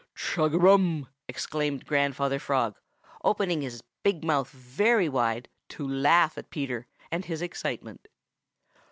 "Chug a rum!" exclaimed Grandfather Frog, opening his big mouth very wide to laugh at Peter and his excitement.